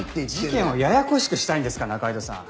事件をややこしくしたいんですか仲井戸さん。